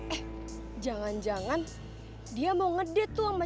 eh jangan jangan dia mau ngedate tuh sama dia